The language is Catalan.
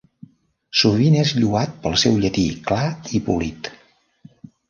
Sovint és lloat pel seu llatí clar i polit.